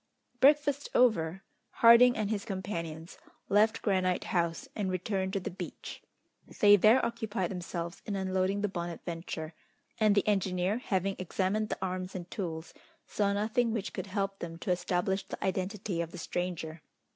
Breakfast over, Harding and his companions left Granite House and returned to the beach. They there occupied themselves in unloading the Bonadventure, and the engineer, having examined the arms and tools, saw nothing which could help them to establish the identity of the stranger.